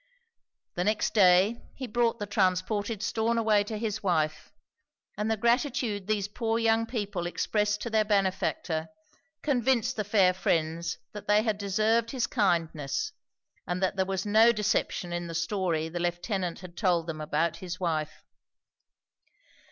The next day he brought the transported Stornaway to his wife; and the gratitude these poor young people expressed to their benefactor, convinced the fair friends that they had deserved his kindness, and that there was no deception in the story the Lieutenant had told them about his wife.